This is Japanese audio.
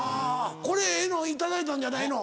これええの頂いたんじゃないの？